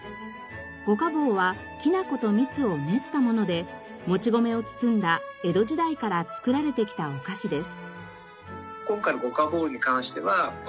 五家宝はきなこと蜜を練ったものでもち米を包んだ江戸時代から作られてきたお菓子です。